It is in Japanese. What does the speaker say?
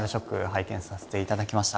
拝見させていただきました。